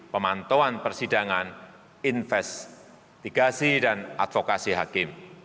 pemantauan persidangan investigasi dan advokasi hakim